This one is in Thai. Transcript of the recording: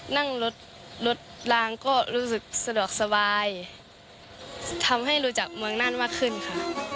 นั่งรถรถลางก็รู้สึกสะดวกสบายทำให้รู้จักเมืองน่านมากขึ้นค่ะ